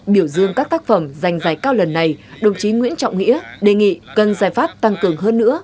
biểu dương các tác phẩm dành giải cao lần này đồng chí nguyễn trọng nghĩa đề nghị cần giải pháp tăng cường hơn nữa